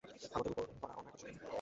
আপনাদের উপর করা অন্যায়ের প্রতিশোধ নিন!